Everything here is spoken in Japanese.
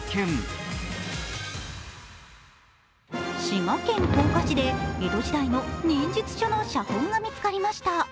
滋賀県甲賀市で江戸時代の忍術書の写本が見つかりました。